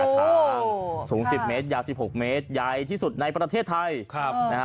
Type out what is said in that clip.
ช้างสูง๑๐เมตรยาว๑๖เมตรใหญ่ที่สุดในประเทศไทย